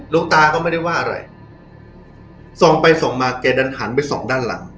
ตาก็ไม่ได้ว่าอะไรส่องไปส่องมาแกดันหันไปส่องด้านหลัง